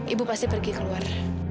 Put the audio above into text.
ibu pasti pergi keluar